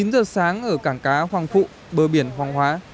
chín giờ sáng ở cảng cá hoàng phụ bờ biển hoàng hóa